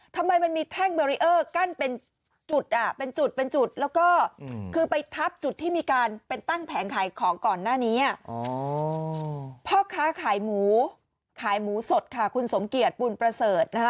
ถ้าขายหมูขายหมูสดค่ะคุณสมเกียจปูนประเสริฐนะฮะ